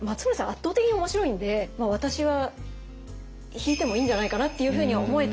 圧倒的におもしろいんで私は引いてもいいんじゃないかなっていうふうに思えたので。